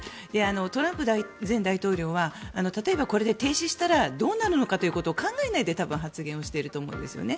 トランプ前大統領は例えば、これで停止したらどうなるのかということを考えないで発言していると思うんですよね。